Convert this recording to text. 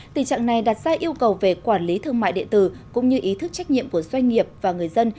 tình trạng này đặt ra yêu cầu về quản lý thương mại điện tử cũng như ý thức trách nhiệm của doanh nghiệp và người dân